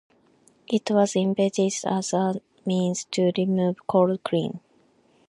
It was invented as a means to remove cold cream.